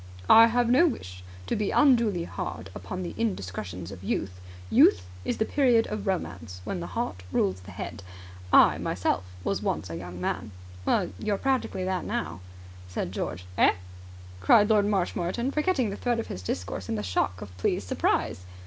"I have no wish to be unduly hard upon the indiscretions of Youth. Youth is the period of Romance, when the heart rules the head. I myself was once a young man." "Well, you're practically that now," said George. "Eh?" cried Lord Marshmoreton, forgetting the thread of his discourse in the shock of pleased surprise.